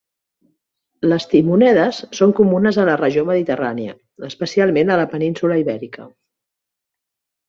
Les timonedes són comunes a la regió mediterrània, especialment a la península Ibèrica.